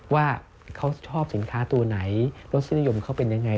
ว่าเขาชอบสินค้าตัวไหนรสนิยมเขาเป็นยังไง